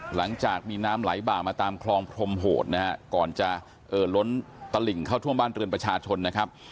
หลังจากมีน้ำไหลบ่ามาตามคลองพรมโหดนะฮะก่อนจะเอ่อล้นตลิ่งเข้าท่วมบ้านเรือนประชาชนนะครับ